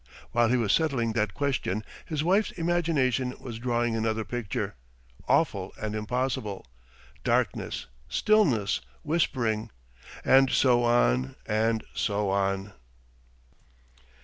While he was settling that question, his wife's imagination was drawing another picture, awful and impossible: darkness, stillness, whispering, and so on, and so on.